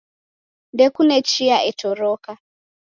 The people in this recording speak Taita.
Ndekune chia etoroka.